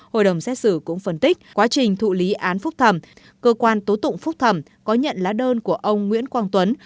hội đồng xét xử cũng phân tích quá trình thụ lý án phúc thẩm cơ quan tố tụng phúc thẩm có nhận lá đơn của ông nguyễn quang tuấn